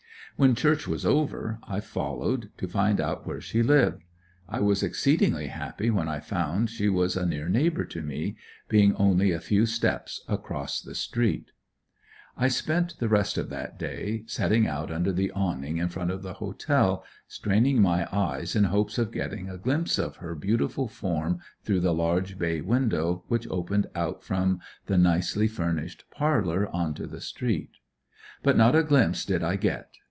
When church was over I followed, to find out where she lived. I was exceedingly happy when I found she was a near neighbor to me, being only a few steps across the street. I spent the rest of that day setting out under the awning in front of the Hotel, straining my eyes in hopes of getting a glimpse of her beautiful form through the large bay window which opened out from the nicely furnished parlor onto the street. But not a glimpse did I get.